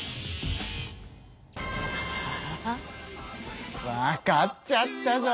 あわかっちゃったぞ！